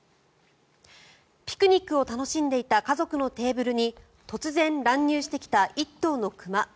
ピクニックを楽しんでいた家族のテーブルに突然、乱入してきた１頭の熊。